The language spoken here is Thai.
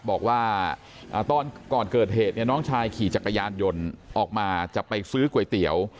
บอกว่าตอนก่อนเกิดเหตุเนี่ยน้องชายขี่จักรยานยนต์ออกมาจะไปซื้อก๋วยเตี๋ยว